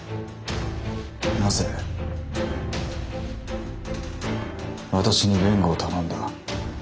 なぜ私に弁護を頼んだ？